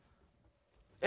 え？